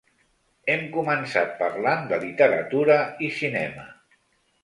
Hem començat parlant de literatura i cinema.